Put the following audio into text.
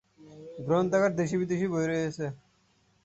গ্রন্থাগার দেশী-বিদেশী বই রয়েছে।